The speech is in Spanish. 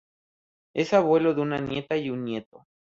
Es abuelo de una nieta y un nieto.